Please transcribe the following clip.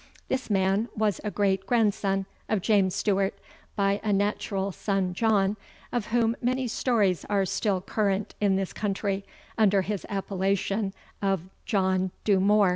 This man was a great grandson of James Stewart, by a natural son John, of whom many stories are still current in this country, under his appellation of JOHN DHU MHOR.